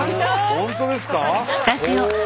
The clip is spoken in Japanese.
本当ですか？